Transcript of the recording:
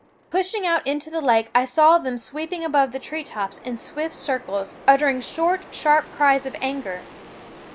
Pushing out into the lake, I saw them sweep ing above the tree tops in swift circles, utter ing short, sharp cries of anger.